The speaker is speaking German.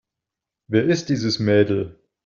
Wer ist dieses Mädel?